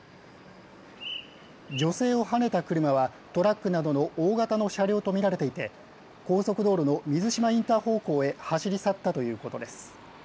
女性をはねた車はトラックなどの大型の車両と見られていて、高速道路の水島インター方向へ走り去ったということです。